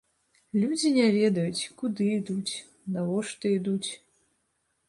Людзі не ведаюць, куды ідуць, навошта ідуць.